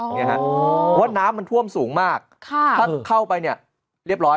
เพราะว่าน้ำมันท่วมสูงมากถ้าเข้าไปเนี่ยเรียบร้อย